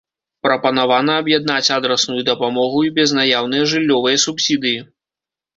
Прапанавана аб'яднаць адрасную дапамогу і безнаяўныя жыллёвыя субсідыі.